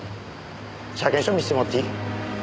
車検証見せてもらっていい？